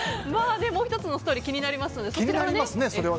もう１つのストーリー気になりますのでそちらもＦＯＤで。